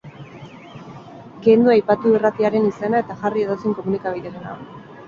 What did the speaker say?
Kendu aipatu irratiaren izena eta jarri edozein komunikabiderena.